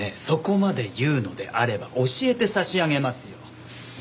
そこまで言うのであれば教えて差し上げますよ。